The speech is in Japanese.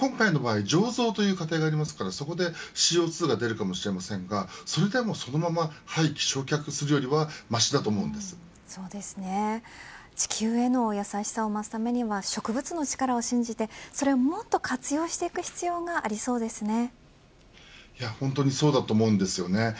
今回は醸造という過程があるのでそこでＣＯ２が出るかもしれませんがそれでもそのまま廃棄焼却するよりは地球上の優しさを考えると植物の力を信じてそれをもっと活用していく本当にそうだと思います。